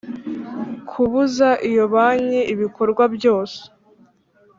Kubuza iyo banki ibikorwa byose